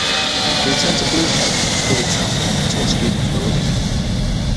He retired to Blue Hill of Puli Town and taught students for living.